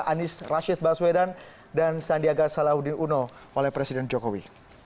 anies rashid baswedan dan sandiaga salahuddin uno oleh presiden jokowi